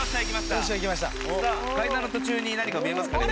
さあ階段の途中に何か見えますか？